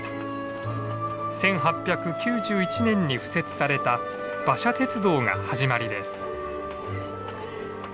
１８９１年に敷設された馬車鉄道が始まりです。